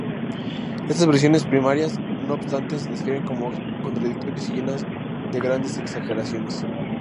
Estas versiones primarias, no obstante, se describen como contradictorias y llenas de grandes exageraciones.